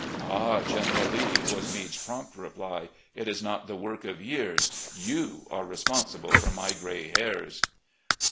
"Ah, General Lee," was Meade's prompt reply, "it is not the work of years ; you are responsible for my gray hairs!"